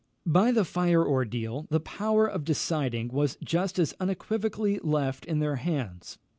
By the fire ordeal the power of deciding was just as unequivocally left in their hands.